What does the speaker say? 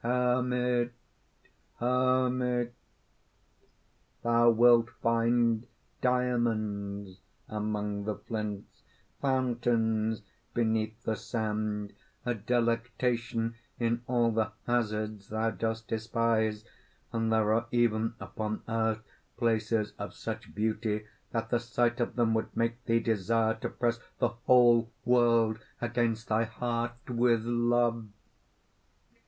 "Hermit! hermit! thou wilt find diamonds among the flints, fountains beneath the sand, a delectation in all the hazards thou dost despise; and there are even upon earth places of such beauty that the sight of them would make thee desire to press the whole world against thy heart with love!"